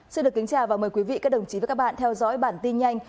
xin được kính chào và mời quý vị các đồng chí và các bạn theo dõi bản tin nhanh